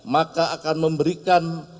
maka akan memberikan